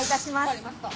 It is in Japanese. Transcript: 分かりました。